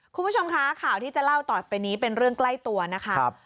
คุณผู้ชมคะข่าวที่จะเล่าต่อไปนี้เป็นเรื่องใกล้ตัวนะคะ